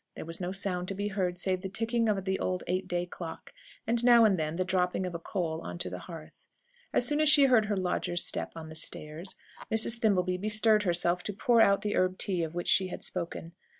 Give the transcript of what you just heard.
There was no sound to be heard save the ticking of the old eight day clock, and, now and then, the dropping of a coal on to the hearth. As soon as she heard her lodger's step on the stairs, Mrs. Thimbleby bestirred herself to pour out the herb tea of which she had spoken.